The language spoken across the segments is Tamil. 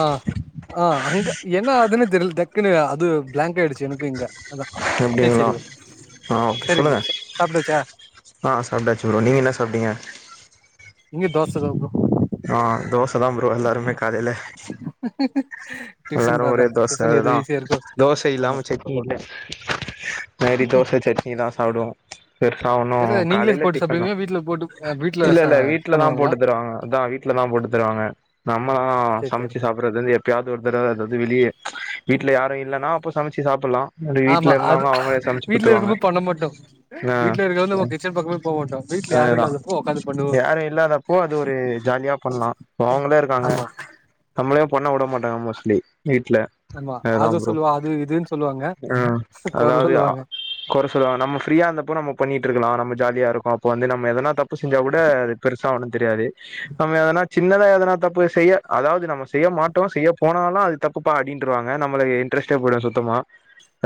ஆ ஆ அங்க என்ன அதுனு தெர்ல டக்குனு அ து பிளாங்க் ஆய்டுச்சி எனக்கு இங்க அதா சரி அப்டிங்ளா சரி ப்ரோ ஆ ஓக் சரி சொல்லுங்க ப்ரோ சா சாப்ட்டாச்சா ஆ சாப்டாச்சு ப்ரோ நீங்க என்ன சாப்டீங்க தோசதா ப்ரோ ஆ தோஷ இப்பதா ப்ரோ எல்லாருமே காலேல டிஃபன் எல்லாரு தா அதா ஒரே தோச டிஃபன் எது அதுதா ஈஸியா இருக்கோ தோச ஆமா இல்லாம சட்னி இல்ல மாரி தோச சட்னி தா சாப்டுவோ பெர்சா ஒன்னு இல்ல நீங்களே காலேல போட்டு டிப்பன் தா சாப்டுவீங்களா வீட்ல போட்டு அ வீட்ல இல்ல ச இல்ல வீட்லதா பண்ணுவாங்களா போட்டு தருவாங்க அதா வீட்லதா போட்டு தருவாங்க நம்மளா சரி சரி சமச்சு சாப்றது வநது எப்பயாது பட் அதாது வெளியே வீட்ல யாரு இல்லன்னா அப்போ சமச்சு சாப்பலா ஆமா அது வீட்ல இருக்குபோம்து பண்ண மாட்டோ ஆ வீட்ல இருக்க நம்ம கிச்சன் பக்கமே போக மாட்டோ வீட்ல யாரு அதுதா இல்லாதப்ப ஒக்காந்து பண்ணுவோ யாரு இல்லாதப்போ அது ஒரு ஜாலியா பண்லா இப்ப அவங்களே இருக்காங்க ஆமா நம்மளையு பண்ண வுட மாட் ட்டாமஸ்லி வீட்ல ஆமா அததா அது ப்ரோ சொல்லுவா அது இதுன்னு சொல்லுவாங்க ஆ கொற அதாது சொல்லுவாங்க கொற சொல்வாங்க நம்ப ஃப்ரீயா இந்தப்போ நம்ப பண்ணிட்டு இருக்கலா ஜாலியா இருக்கு அப்ப வந்து நம்ப எதனா தப்பு செஞ்சா கூட அது பெருச ஒன்னு தெரியாது நம்ப எதனா சின்னதா எதனா தப்பு செய்ய அதாது நம்ம செய்ய மாட்டோ செய்ய போனாலு அது தப்புபா அப்டின்னுறு வாங்க நம்மளுக்கு இன்ட்ரெஸ்ட்டே போயிடு சுத்தமா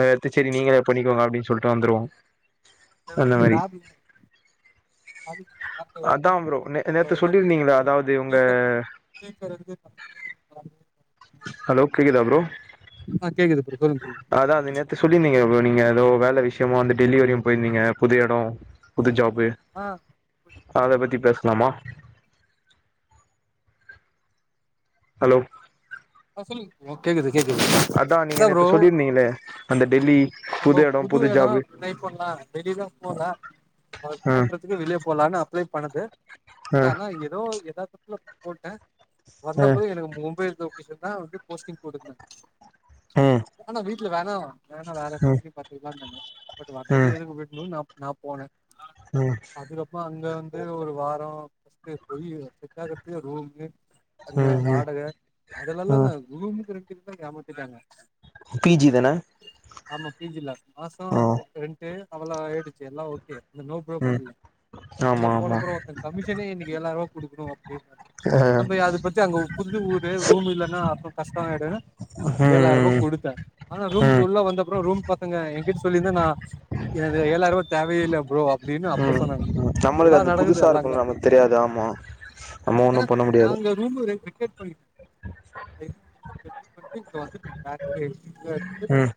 அது சரி நீங்களே பண்ணிக்கோங்க அப்டின் சொல்லிட்டு வந்துருவோ அந்த டுவாத் மாரி லாரி கொம் [unintelligible] அந்து அந்த அதா ப்ரோ குஷ்புக்கு நே நேத்து ஐம்பாது சொல்லியிருந்தீங்களா அதாவது உங்க இருக்குமே பிக்கார் ஏதுக்கு கலெக்ட் பண்ணி இருக்குமா ஹலோ கேக்குதா ப்ரோ ஆ கேக்குது ப்ரோ சொல்லுங்க சொல்லுங்க அதா அது நேத்து சொல்லிருந்தீங்க ப்ரோ நீங்க ஏதோ வேல விஷ்ய முக்கியமா வந்து டெலிவரியு போயிருந்தீங்க புது எடோ புது ஜாப் ப்பு ஆ அத பத்தி பேசலாமா ஹலோ சொல்லுங்க கேக்குது கேக்குது இல்ல அதா நீங்க ஃப்ரே நேத்து சொல்லியிருந்தீங்களே அந்த டெல்லி நம்ம புது எடோ ஜாபு ட்ரை பண்லா வெளியதா போல இது ஆ பண்றதுக்கு வெளிய போலனு பண்ணுது ஆ பட் ஆனா எதோ ஏதாவது போட்டே ஆ வந்தப்பவே எனக்கு மொபைல் வந்து போஸ்டிங் போடுங்க ஆ விட்று வேணா நானா வேற கம்பனி பாத்துக்லா நெனக்கே பட் வந்தத ஆ எதுக்கு விடனும் நம் நா போனேன் அதுக்கப்றோ அங்க வந்து ஒரு வாரம் [unintelligible] ரூம்க்கு ஆ அங்க ஆ வாடக அது ஆ நால ஆ நா [unintelligible] எமாத்திராங்க பி ஜி தான ஆமா பிஜில மாசம் ஆ ரெண்டு அவலம் அயி எல்ல ஓகே இந்த நோ பரோக்கர் ம் இல்ல அங்க ஆமா போனா ஆமா அப்றோ கமிஷனே இன்னைக்கு ஏழாயிரம் குடுக்குறோ ஆ நம்ம அத பத்தி அங்க புரிது ஊரு ல்ல அப்ப கஷ்டம் ஆயிடும் ஏழாயிரம் ரூபாய் ம் ம் குடுத்தேன் ஆனா ரூம் ம் குள்ள வந்த ப்ரோ ரூம் பாத்துங்க எங்கிட்ட சொல்லியிருந்தா நா என ஏழாயிரம் ரூவா தேவையில்ல ப்ரோ அப்டின்னு அப்போ ம் சொன்னாங்க நம்மளுக்கு இதெல்லா அது நடக்குது புதுசா எல்லாங்க இருக்கும்ணும்னு நமக்கு தெரியாது ஆமா நம்ம ஒண்ணும் பண்ண முடியாது டேய் பண்ணட்டு இங்க வந்துட்டு ம்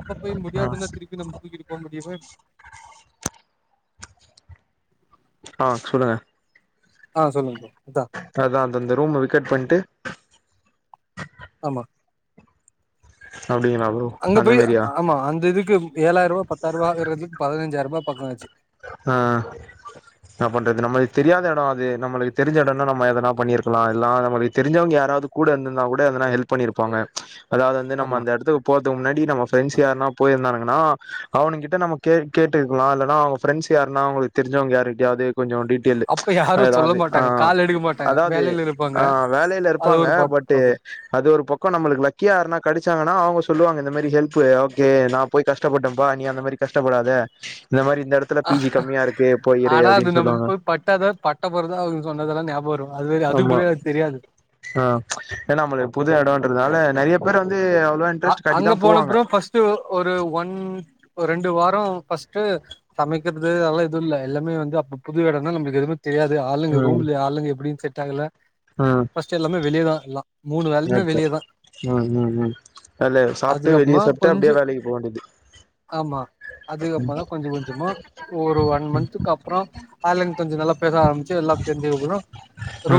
அப்ப போய் ஆ முடியாதுன்னா திருப்பி நம்ம தூக்கிட்டு போக முடியவே ஆ சொல்லுங்க ஆ சொல்லுங்க ப்ரோ அதா அதா அந்த அந்த ரூம் வேக்கேட் பண்ணிட்டு ஆமா அப்டிங்களா ப்ரோ அங்க அந்த போய் மாரியா ஆமா அந்த இதுக்கு ஏழாயிரம் ரூபா பத்தாயிரம் ரூபா ஆறதுக்கு பதினஞ்சாயிரம் ரொம்ப பக்கம் ஆச்சு ஆ நா பண்றது நம்மளுக்கு தெரியாத எடோ அது நம்மளுக்கு தெரிஞ்ச எடோன்னா நம்ம எதனா பண்ணிருக்கலா எல்லா நம்மளுக்கு தெரிஞ்சவங்க யாராது கூட இருந்தந்தா கூட எதனா ஹெல்ப் பண்ணிருப்பாங்க அதாது வந்து நம்ம ஆமா அந்த எடத்துக்கு போர்துக்கு முன்னாடி நம்ம ஃப்ரெண்ட்ஸ் யார்னா போயிந்தாங் ன்னா அவனு கிட்ட நம்ம கே கேட்டுக்கலா இல்லனா ஃபிரெண்ட்ஸ் யார்னா அவுங்களுக்கு தெரிஞ்சவங்க யார்கிட்டயாவது கொஞ்சோ டீடைலு அப்ப யாரு சொல்ல எதாது ஆ மாட்டாங்க கால் எடுக்க மாட்டாங்க அதாது வேலையில இருப்பாங்க ஆ வேலையில அது இருப்பாங்க ஒரு ப்ராப் பட்டு ப்ராப்ளம் அது ஒரு பக்கோ நம்மளுக்கு லக்கியா யார்னா கெடைச்சாங்கன்னா அவுங்க சொல்லுவாங்க இந்த மாரி ஹெல்ப்பு ஓகே நா போய் கஷ்டப்பட்டே பா நீ அந்த மாரி கஷ்டப்படாத இந்த மாரி எடத்துல பி ஜி கம்மியா இருக்கு போயிரு ஆனா அது அப்டின்னு நம்ம சொல்லுவாங்க போய் பட்டாத பட்ட போற தா அவங்க சொன்னதெல்லா ஞாபகம் வரு அது வரை- அதுக்கு ஆமா முன்னாடி அது தெரியாது ஆ ஏனா நம்மளுக்கு புது எடோன்றதுனால நெறைய [unintelligible] அவ்ளவா இன்ட்ரெஸ்ட் அங்க காட்டிதா போவாங்க போனப்றோ பஸ்ட்டு ஒரு ஒன் ரெண்டு வா ஃபஸ்ட்டு சமைக்கிறது அதல்லா எதுவு இல்ல எல்லாமே வந்து அப்ப புது எடோ தா நம்மளுக்கு எதுமே தெரியாது ஆளுங்க ம் ரூம்ல ஆளுங்க எப்டின்னு செட் ஆகல ம் ஃபர்ஸ்ட் எல்லாமே வெளிய தா எல்லா மூணு வேலயுமே வெளிய தா அல்ல சாப்ட்டு வெளிய சாப்ட்டு அப்டியே வேலைக்கு போக வேண்டியது அதுக்கப்மா தா கொஞ்ச கொஞ்சமா ஒரு ஒன் மந்த்துக்கு அப்றோ அலங் கொஞ்சோ நல்லா பேச ஆரம்பிச்சு எல்லா தெரிஞ்சவங்களு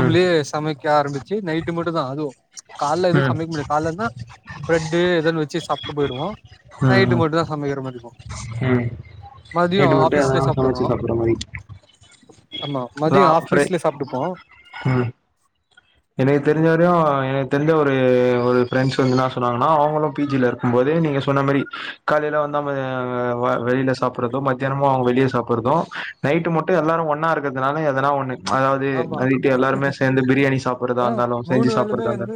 ம் சமைக் க்க ஆரம்மிச்சி நைட்டு மட்டு தா அதுவும் காலைல எதுவு ம் சமைக்க முடியாது காலைன்னா பிரெட்டு எதன் வச்சு சாப்ட்டு போயிடுவோ ம் நைட்டு ம் மட்டு தா சமைக்கிற மாரி இருக்கு ம் மதியோ நைட்டு மட்டு ஆஃபீஸ்லயே எதனா சாப்ட்டுறோ சமைச்சி சாப்டுற மாரி ஆமா மதியோ லா ஃப்ரை ஆபீஸ்லே சாப்ட்டுப்போ ம் எனக்கு அந்த மாரி தெரிஞ்சவரையு எனக்கு தெரிஞ்ச ஒரு ஒரு ஃப்ரெண்ட்ஸ் வந்து நா சொன்னாங்கன்னா அவங்களு பிஜில இருக்கும் போதே நீங்க சொன்ன மாரி காலையில வந்தா வெளியில சாப்ட்றது மத்தியானமு அவுங்க வெளியே சாப்ட்றதும் நைட்டு மட்டு எல்லாரு ஒன்னா இருக்கிறதுனால எதனா ஒன்னு அதாது ஆமா நைட்டு எல்லாருமே சேந்து பிரியாணி சாப் ஏ மூணு வேலுமே வந்து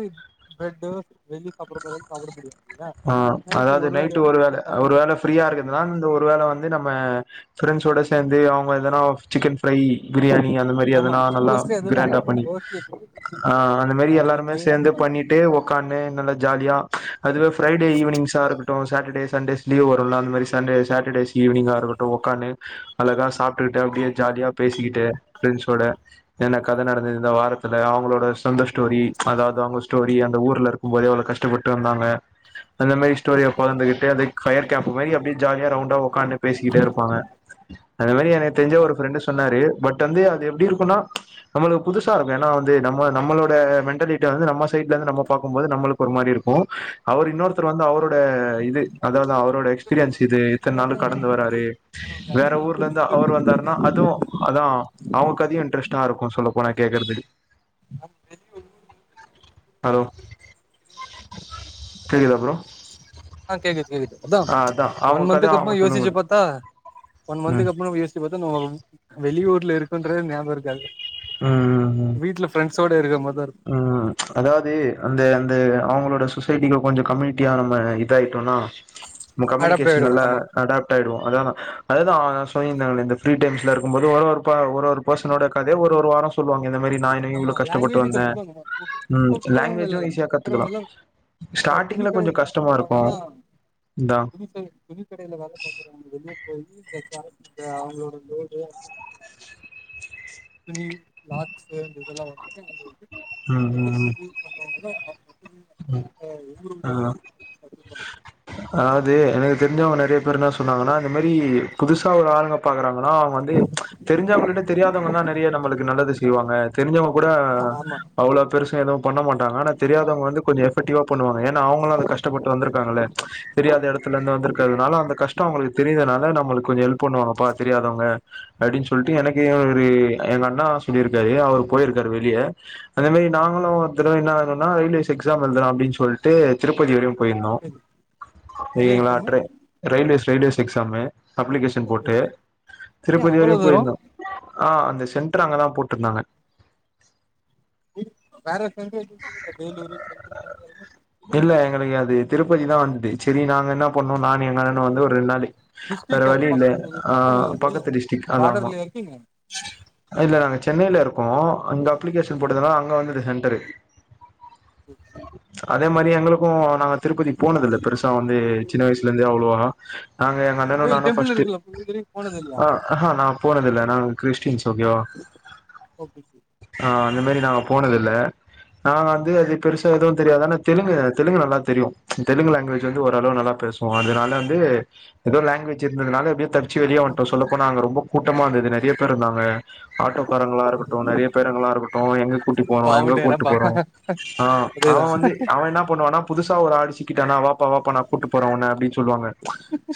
ப்ரெட்டு வெளிய சாப்பிட போர சாப்பிட முடியாது இல்லயா ஆ நைட்ல அதாவது ஒரு நைட்டு வேலைய வேள இல்ல ஒரு கம்ப்ளிட்டா வேள ஃப்ரீயா சாப்பிடு இருக்கிறதுனால இந்த ஒரு வேள வந்து நம்ம ஃப்ரெண்ட்ஸோட சேந்து அவுங்க எதேனும் சிக்கன் ஃப்ரை பிரியாணி அந்த மாரி ஆமா எதனா நல்லா மோஸ்ட்லி அதுதா கிராண்டா பண்ணி மோஸ்ட்லி ஆ அந்த மாரி ஆ எல்லாருமே எக்கு சேந்து அதுதா பண்ணிட்டு உக்காந்து ஒன்னுல்ல ஜாலியா அதுவே ப்ஃரைடே ஈவினிங்ஷா அப்ரோ சட்டர்டே சண்டேஸ் லீவு வருல அந்த மாரி சண்டே சாட்டர்டேஸ் ஈவினிங்காருகட்டு ஒக்காந்து அழகா சாப்ட்டுட்டு அப்டியே ஜாலியா பேசிகிட்டு பிரண்ட்ஸ்ஸோட என்ன கத நடந்தது இந்த வாரத்தி ந்த அவுங்களோட சந்தோஷ ஸ்டோரி அதாவது அவுங்க ஸ்டோரி அந்த ஊர்ல இருக்கும்போதே அவ் கஷ்டபட்டு வந்தாங்க அந்த மாரி ஸ்டோரிய பகிர்ந்துகிட்டே அது பயர் கேம்ப் மாரி அப்டியே ஜாலியா ரவுண்டா ஒக்காந்து பேசிகிட்டே இருப்பாங்க [inaudible] அந்த மாதிரி எனக்கு ஆமா தெரிஞ்ச ஒரு கரெக்ட் ப்ரெண்டு சொன்னாரு பட் வந்து எப்டி இருக்குனா நம்மளுக்கு புதுசா இருக் வேணா வந்து நம்ம நம்மளோட மெண்டாலிட்டி வந்து நம்ம சைட்ல இருந்து நம்ம பாக்கும்போது நம்மளுக்கு ஒரு மாரி இருக்கு அவர் இன்னொருத்தர் வந்து அவரோட இந்த இது அதாவது அவரோட எக்ஸ்பீரியன்ஸ் ஒரு இது வெக்கேஷன் எத்தன மாரிதா நாள் கடந்து இருக்கு வராரு நம்ம வேற ஃப்ரெண்டுக்கு வந்து ஊர்ல இருந்து ரூம்ல அவர் இருக்கறது வந்தாருனா தெரியாது அதுவு அதா அவுங்க கதையு இன்ட்ரெஸ்ட்டா இருக்கு சொல்ல போன கேக்குறதுக்கு ஹலோ சேரி இதுக்கப்றோ ஆ கேக்குது கேக்குது அதா அவங்க ஒன் கத மந்த்துக்கு அவங்க அப்றோ சொல்லுங்க யோசிச்சு பாத்தா ஒன் ம் மந்துக்கு அப்ரோ யோசிச்சு பாத் [unintelligible] வெளியூர்ல இருக்குன்றதே ஞாபக இருக்காது உம்ம் சோடு இருகும் போது உம் அதாவது அந்த அந்த அவுங்களோட சொசைட்டில கொஞ்ஜோ கம்யூனிட்டியா நம்ம இதாகிட்டோன்னா நம்ம அடாப்ட் கம்யூனிகேஷன் ஆயிடுவோ நல்ல ஆமா அடாப்ட் ஆயிடுவோ அதா அதுதா சொல்லி இருந்தாங்ல இந்த ஃப்ரீ டைம்ஸ்ல இருக்கும்போது ஒரு ஒரு ப ஒரு ஒரு பர்சனோட கதய ஒரு ஒரு வாரோ சொல்லுவாங்க இந்த மாரி நாயின்னு ஆமா இவ்ளோ கஷ்டப்பட்டு லாங்குவேஜ வந்தே கத்துப்பாங்க ம் இப்ப லாங்குவேஜு ஈஸியா இருக்கவங்கல்லல கத்துக்கலா [unintelligible] துணி ஸ்டார்டிங்ல கொஞ்சோ கடைல வேல கஷ்டமா இருக்கு பாக்ரவங்கலா இதா துணி கடைல வேலபாக்ரவங்களுமே [unintelligible] ந்த அவுங்களோட போய்ட்டு [unintelligible] எல்லா வொர்க்கு எங்கள்ட உண்டு ம் ம் ஆ அதாவது எனக்கு [unintelligible] தெரிஞ்சவங்க நெறய பேர் என்னா சொன்னாங்கன்னா இந்த மாரி புதுசா ஒரு ஆளுங்க பக்குறாங்க ஆனா வந்து தெரிஞ்சவங்களிட்ட தெரியாதவங்கல்லான நெறயா நம்மளுக்கு நல்லது செய்வாங்க தெரிஞ்சவுங்க கூட ஆமா பெருசா எதும் பண்ண மாட்டாங்க ஆனா தெரியாதவுங்க வந்து கொஞ்சோ எஃபெக்டிவ பண்ணுவானுங்க ஏன்னா அவுங்களு அந்த கஷ்டப்பட்டு வந்துருக்காங்கள்ளா தெரியாத எடத்துல ஆமா இருந்து வந்துருக்கு கண்டிப்பா அதனால அந்த கஷ்டோ அவுங்களுக்கு தெரியுறனால நம்மளுக்கு கொஞ்சோ கெல்ப் பண்ணுவாங்க பாரு தெரியாதவங்க அப்டின்னு சொல்லிட்டு எனக்கு ஒரு எங்க அண்ணா சொல்லியிருக்காரு அவர் போயிருக்காரு வெளிய அதே மாதிரி நாங்களு ஒரு தடவ என்னா ஆகணும்னா ரயில்வேஸ் எக்ஸா எழுதுறோ அப்டின் சொல்ட்டு திருப்பதி வரையு போயிருந்தோ சரி என்ன எக்ஸாமு நீங்களாட்ரு railways railways exam application okay போட்டு ஓகே ஏ திருப்பதி அவ்வளோ வரையு தூரோ போயிருந்தோ ஆ அந்த சென்டரு அங்கதா போட்டுருந்தாங்க வேற [unintelligible] எனக்கு அது திருப்பதி தா வந்ட்டு சரி நாங்க என்னா பண்ணோ நானு எங்க அண்ணனு வந்துஒரு ரெண்டு நாளு வேற டிஸ்ட்ரிக் அது வழி இல்ல பக்கம் ஆ பக்கமா வருது பக்கத்து டிஸ்டிக் அத ஆமா பார்டர்ல இருக்கீங்க சென்னையில இருக்ககோ அங்க அப்ளிகேஷன் போட்டதுனால அங்க வந்துட்டு சென்டரு [unintelligible] அதே மாதிரி எங்களுக்கு நாங்க திருப்பதி போனது இல்ல பெருசா வந்து சின்ன வயசுலருந்தே அவ்வளோவா ச [unintelligible] நாங்க எங்க அண்ணனு கோயில் நானு டெம்பிள் இருக்குல்ல இது வரைக்கும் போனது இல்லையா ஃபஸ்ட்டுஸஆ நா போனத இல்ல நா கிறிஸ்டின்ஸ் ஓகேவா ஓகே ஆ இது மாதிரி நாங்க போனது இல்ல நாங்க வந்து அது பெருசா எதுவு தெரியாது ஆனா தெலுங்கு தெலுங்கு நல்லா தெரியு தெலுங்கு லாங்குவேஜ் வந்து ஓரளவு நல்லா பேசுவோ அதனால வந்து ஏதோ லாங்குவேஜ் இருந்ததுனால எப்படி தப்பிச்சு வெளிய வட்டோ சொல்ல போனா நாங்க ரொம்ப கூட்டமா இருந்தது நெறய பேர் இருந்தாங்க ஆட்டோக்காரங்களா இருக்கட்டு நெறய பேருங்ளா இருக்கட்டு எங்க கூட்டி போனோ எங்க பாவுண்டேரப்பா கூட்டி ஆ அவ அதேதான் வந்து அவ என்ன பண்ண ஆனா புதுசா ஒரு ஆள் சிக்கிட்டானா வா வாப்பா வாப்பா நா கூட்டு போறே ஒன அப்டின் சொல்வாங்க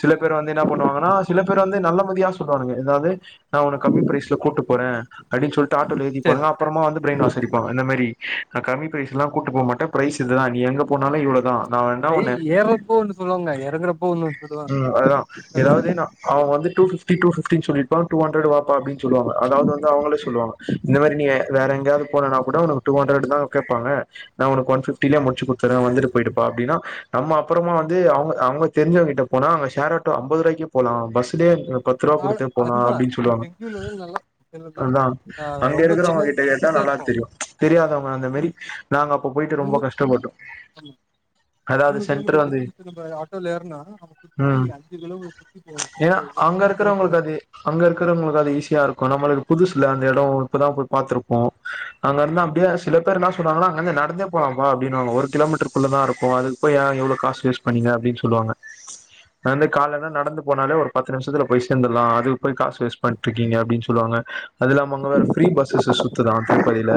சில பேர் வந்து என்னா பண்ணுவாங்கன்னா சில பேர் வந்து நல்ல மா சொல்லுவானுங்க ஏதாது நா ஒன கம்மி பிரைஸ்ல கூட்டு போறே அப்டின்னு சொல்லிட்டு ஆட்டோல ஏத்தி சரி போனாங்க அப்புறமா வந்து பிரெயின் வாஷ் அடிப்பாங்க இந்த மாரி நா கம்மி பிரஸ்ல்லா கூட்டு போ மாட்டே பிரைஸ் இதுதா நீ எங்க போனாலு இவ்வளதா நா என்ன ஏய், ஒன்ன ஏறப்போ ஒண்ணு சொல்லுவாங்க இறங்குறப்போ ஒண்ணு சொல்லுவாங்க உம் அதுதா ஏதாவது சொந்தக்காரங்க. அவ வந்து டுஃபிப்டி டுஃபிப்டினு சொல்லிருப்பா டூஹண்ட்டு வாப்பா அப்டினு சொல்லுவாங்க அதாவது வந்து அவுங்களே சொல்வாங்க இந்த மாதிரி நீ வேற எங்காவது போறன கூட டூ ஹண்ட்டு தா கேப்பாங்கா நா ஒனக்கு ஒன் பிப்டி டீலா முடிச்சு குடுத்துர்றே வந்துட்டு போயிடுப்பா அப்டின்னா நம்பா அப்பறமா வந்து அவுங்க அவுங்க தெரிஞ்சவங்கிட்ட போனா ஷேர் ஆட்டே அம்பதுரூபாய்கே போல பஸ்லே பத்ரூவா ஆளு- குடுத்தே போலா அதுதான் அப்டின் இது சொல்லுவங்க பெங்களூர்ல தான் நல்லா சில அதா நடக்கும் நான் அங்க ரொம்ப சின்னது இருக்குறவங்ககிட்ட கேட்டா டிஸ்டன்ஸா நல்லா இருக்கும் தெரியு தெரியாதவங்க அந்த மாரி போய்ட்டு ரொம்ப மூணு கஷ்ட்டபட்டோ அதாவது மூணு சென்ட்று கிலோமீட்டர் வந்து டிஸ்டன்ஸ் நம்ம ஆட்டோல ஏறினா நம்ம சுத்தி ம்ம் அஞ்சு கிலோமீட்டர் சுத்தி போவோம் ஏனா அதுக்காக அங்க ரொம்ப தூரம் போற இருக்குறவங்களுக்கு அது மாதிரி அங்க இருக்குறவங்களுக்கு அது ஈசியா இருக்கு நமக்கு புதுசு இல்ல அந்த எடோ இப்பதா போய் பத்துருப்போ அங்க இருந்த இங்க சிலாபேரு என்னா சொன்னாங்கனா அங்க இருந்து நடந்தே போலாபா அப்டீன்வாங்க ஒரு கிலோ மிட்டர்குள்ளதா இருக்கு அதுக்கு போய் ஏ இவ்ளோ காசு வேஸ்டு பண்ணிங்க அப்டின் சொல்லுவாங்க கால்லான நடந்து போனாலே ஒரு பத்து நிமிசத்லே போய்ட்டு சேந்துறலா அதுக்கு போய் எதுக்கு காசு வேஸ்ட் பண்ணிட் இருக்கீங்க அப்டின் சொல்லுவங்க அது இல்லாமா அங்க வேற ஃப்ரீ பஸ்ஸஸ் சுத்துதா திரு பதில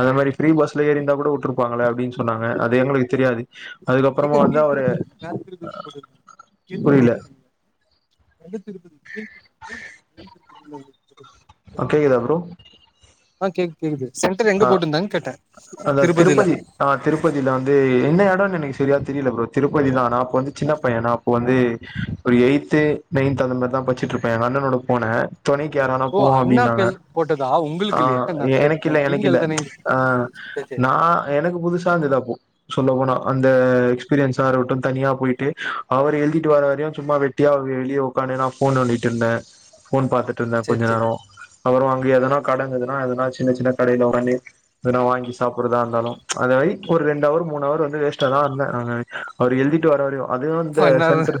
அந்த மாரி ஃப்ரீ பஸ்ல எரி இருந்தா கூட விட்ருப்பாங்ளா அது எங்களுக்கு தெரியாது ஏ அதுக்கப்புறமா வந்து கீழ் அவரு தபா தபா போ புரியல க [unintelligible] எத்து கீழ் வா ஆஹ [unintelligible] ஆ கேக்குதா ப்ரோ அ கேக்குது கேக்குது சென்டர் எங்க அ போட்டிருந்தாங்கன்னு கேட்டே அ திருப்பதில திருப்பதி ஆ திருப்பதில வந்து என்ன எடனோ எனக்கு சரியா தெரியல ப்ரோ திருப்பதி தா ஆனா அப்போ நா சின்ன பையா நா அப்போ வந்து எய்த்து நய்ன்த் அந்த மாரிதா பச்சிற்றுப்பே எங்க அண்ணனோட போனே தொணைக்கு யாரானா ஒ போவோ அப்டின்னாங்க அண்ணக்கள் போட்டதா ஆ ஒங்களுக்கு இல்லையா நா சரின் எனக்கில்ல நீங்கள் எனக்கில்ல தானே ஆ சரி சரி நா எனக்கு புதுசா இருந்தது அப்போ சொல்ல போனா அந்த எக்ஸ்பீரியன்ஸா இருக்கட்டும் தானியா போய்ட்டு அவர் எழுதிட்டு வர வரையு சும்மா வெட்டியா வெளிய ஒக்காந்து எதனா ஃபோன் நோன்டிட்டு இருந்தே ஃபோன் பாத்துட்டு இருந்தே சரி கெஞ்ச சரி நேரோ அப்பறோ அங்க எதனா கடன்ருந்துதனா எதனா சின்ன சின்ன கடைலா வாங்கி எதனா வாங்கி சாப்ரதா இருந்தாலு ரெண்டு ஹவர் மூனு அவர் வந்து வேஸ்டதா இருந்தே அவர் எழுதிட்டு வர வரயு அதுவு இந்த ஃபன்னா சென்ட்ரு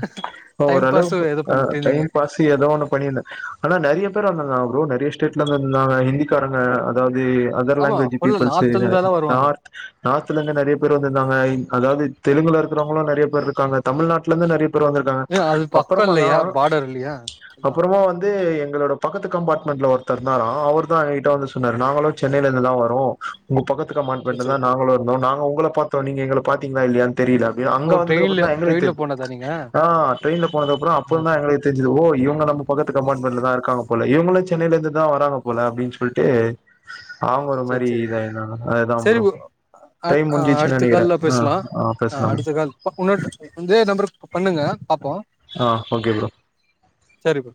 டைம் பாஸ் ஓரளவுக்கு ஏதோ பண்ட்டு இருந்தீங்க டைம்பாஸு ஏதோ ஓன்னு பண்ணியிருந்தா ஆனா நெறய இருந்துகாங்காளப்ரே அவா நிறைய ஸ்டேட்ல இருந்தங்க ஹந்திக்காரங்க இதே அதர் ஆமா லாங்குவேஜ் ஃபுல்லா பிப்பூல்ஸு நார்த்ல இருந்தெல்லா வருவாங்க நார்த் நார்த்லருந்து நிறைய பேர் வந்துதங்கா அதாவது தெலுங்குல இருக்குறவங்களஇருக்குறவங்களள நறைய பேறு இருக்காங்க தமிழ்நாட்லந்து நரயா பேர் அப்பறவங்கதா ஏ அது பக்கம் அப்பேறமாதா இல்லையா பார்டர் இல்லையா அதா அப்பறேமவந்து எங்காளோட பக்கத்து கம்பாட்மெண்ட்ல ஓருத்தர் இருந்தாரா அவர் எங்ககிட்ட வந்து சொ சொன்னாரு நாங்களு சென்னையில இருந்துதா வாரே உங்க பக்கத் சரி காமண்ட்பண்ட்லதா சரி நாங்களு இருந்தோ நா நா உங்கள பாத்தோ நீங்க எங்கள பாத்திங்களா இல்லயானு தெரியல. அப்படி அங்க ஓ வந்தது அப்புற ட்ரெயின்ல தா எங்களுக்கு ட்ரெயின்ல தெரிஞ்ச போனதா நீங்க து அ ட்ரென்யில போன தப்புற ஆ தா சரி எங்க தெரிஞ்சது ஓ இவுங்க நம்ம பக்கத்து கம்பார்ட்மெண்ட்ல தா இருக்காங்க போல இவங்கள சென்னையில இருந்து தா வராங்க போல அப்புன்டினு சொல்ட்டு டே சரி சரி ஆ சரி ஒ ஆ டைம் ஆ முடிஞ்சிச்சு அடுத்த நெனைக்கிறே கால்ல ஆ பேசலா ஆ பேசலாம் அடுத்த கால் உன்னொட இதே நம்பரு க்கு பண்ணுங்க பாப்போ ஆ ஓகே ப்ரோ சரி ப்ரோ